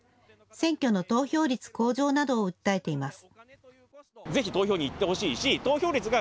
選挙の投票率向上などを訴えています。